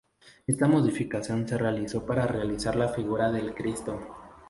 Esta modificación se realizó para realizar la figura del Cristo.